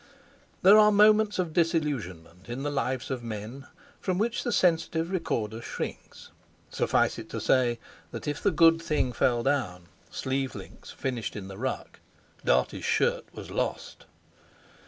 There are moments of disillusionment in the lives of men from which the sensitive recorder shrinks. Suffice it to say that the good thing fell down. Sleeve links finished in the ruck. Dartie's shirt was lost.